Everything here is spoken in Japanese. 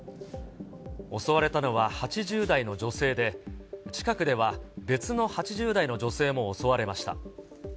襲われたのは８０代の女性で、近くでは別の８０代の女性も襲われました。